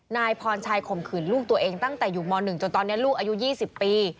นายพรชัยข่มขืนลูกตัวเองตั้งแต่อยู่ม๑จนตอนนี้ลูกอายุ๒๐ปี